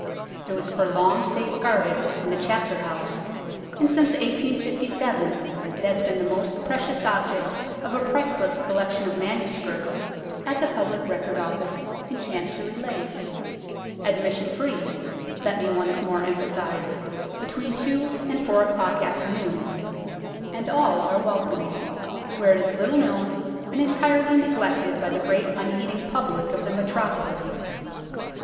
It was for long safe guarded in the Chapter House, and since 1857 it has been the most precious object of a priceless collection of manuscripts at the Public Record Office in Chancery Lane (admission free, let me once more emphasize, between two and four o'clock afternoons, and all are welcomed) where it is little known and entirely neglected by the great unheeding public of the metropolis.